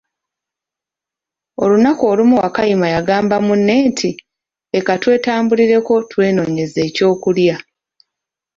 Olunaku olumu Wakayima y'agamba munne nti, leka twetambulireko twenonyeze eky'okulya.